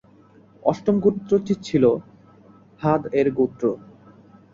অষ্টম গোত্রটি ছিল হাদ-এর গোত্র।